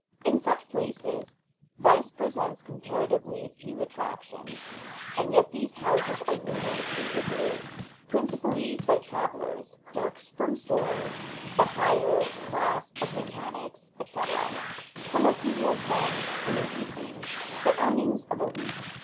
In such places vice presents comparatively few attractions, and yet these houses are numerously visited, principally by travelers, clerks from stores, the higher class of mechanics, etc., some of whom will spend in an evening the earnings of a week.